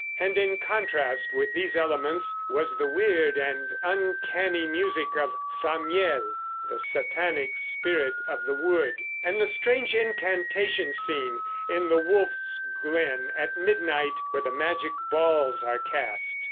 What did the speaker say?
And in contrast with these elements was the weird and uncanny music of Zamiel, the Satanic spirit of the wood, and the strange incantation scene in the Wolf's Glen at midnight, where the magic balls are cast.